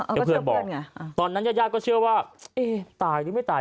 ก็เชื่อเพื่อนไงอ่าตอนนั้นญาติก็เชื่อว่าเอ๊ตายหรือไม่ตาย